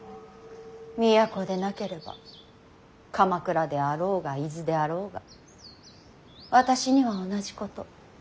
都でなければ鎌倉であろうが伊豆であろうが私には同じこと。